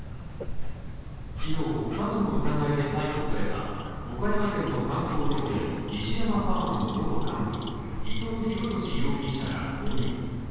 昨日、詐欺の疑いで逮捕された岡山県の観光農園・西山ファームの元幹部、伊藤弘敏容疑者ら５人。